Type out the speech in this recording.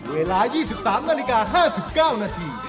เวลา๒๓นาฬิกา๕๙นาที